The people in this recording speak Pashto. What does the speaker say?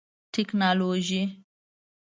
ټکنالوژي